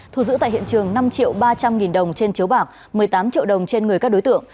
thu giữ tại hiện trường năm ba trăm linh nghìn đồng trên chiếu bạc một mươi tám triệu đồng trên người các đối tượng